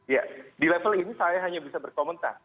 ya di level ini saya hanya bisa berkomentar